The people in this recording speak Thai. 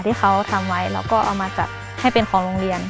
ที่เขาทำไว้แล้วก็เอามาจัดให้เป็นของโรงเรียน